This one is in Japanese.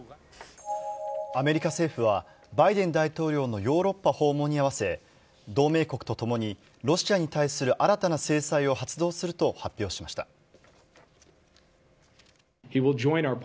アメリカ政府は、バイデン大統領のヨーロッパ訪問に合わせ、同盟国とともに、ロシアに対する新たな制裁を発動すると発表しました。